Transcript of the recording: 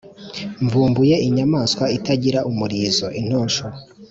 Mvumbuye inyamaswa itagira umurizo-Intosho.